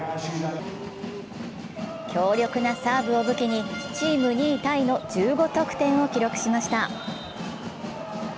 強力なサーブを武器にチーム２位タイの１５得点を記録しました。